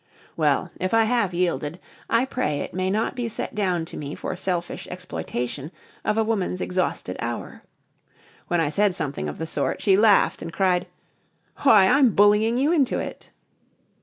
Well, if I have yielded I pray it may not be set down to me for selfish exploitation of a woman's exhausted hour. When I said something of the sort, she laughed and cried: "Why, I'm bullying you into it!"